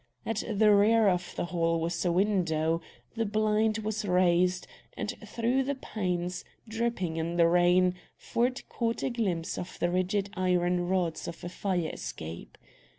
At the rear of the hall was a window; the blind was raised, and through the panes, dripping in the rain, Ford caught a glimpse of the rigid iron rods of a fire escape.